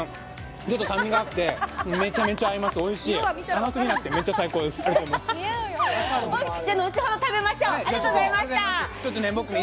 ちょっと酸味があってめちゃめちゃ合います、おいしい、甘すぎなくておいしい。